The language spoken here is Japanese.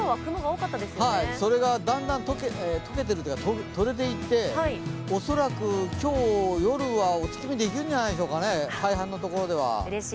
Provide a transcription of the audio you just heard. それがだんだんとれていって恐らく今日夜はお月見できるんじゃないでしょうかね、大半のところでは。